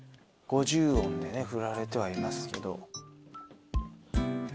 五十音でね振られてはいますけど。